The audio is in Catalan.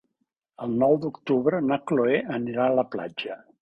El nou d'octubre na Chloé anirà a la platja.